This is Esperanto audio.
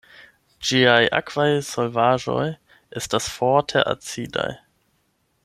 Ĝiaj akvaj solvaĵoj estas forte acidaj.